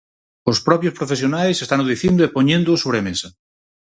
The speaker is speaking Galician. Os propios profesionais estano dicindo e poñéndoo sobre a mesa.